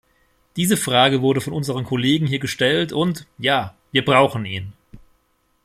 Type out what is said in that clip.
Diese Frage wurde von unseren Kollegen hier gestellt und, ja, wir brauchen ihn.